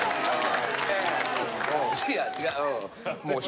違う。